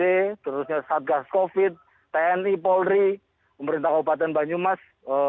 khususnya satgas covid tni polri pemerintah kabupaten banyumas